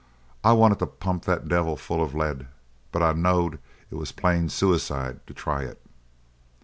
I wanted to pump that devil full of lead, but I knowed it was plain suicide to try it.